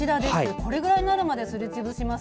これぐらいになるまですりつぶします。